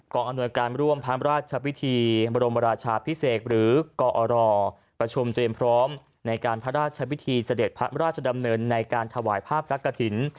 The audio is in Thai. อำนวยการร่วมพระราชพิธีบรมราชาพิเศษหรือกอรประชุมเตรียมพร้อมในการพระราชพิธีเสด็จพระราชดำเนินในการถวายภาพพระกฐิน